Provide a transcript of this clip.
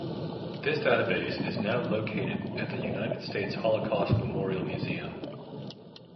This database is now located at the United States Holocaust Memorial Museum.